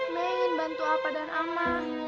nek ingin bantu apa dan ama